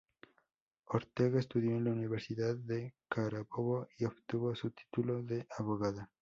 Ortega estudió en la Universidad de Carabobo y obtuvo su título de abogada.